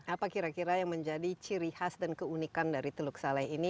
apa kira kira yang menjadi ciri khas dan keunikan dari teluk saleh ini